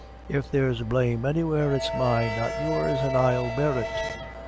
If there's blame anywhere, it's mine, not yours, and I'll bear it."